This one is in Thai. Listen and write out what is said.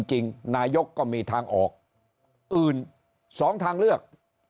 จริงนายกก็มีทางออกอื่น๒ทางเลือก